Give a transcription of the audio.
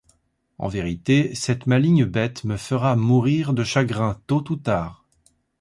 En vérité, cette maligne bête me fera mourir de chagrin tôt ou tard!